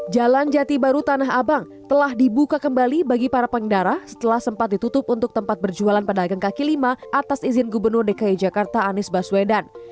jalan jati baru tanah abang telah dibuka kembali bagi para pengendara setelah sempat ditutup untuk tempat berjualan pedagang kaki lima atas izin gubernur dki jakarta anies baswedan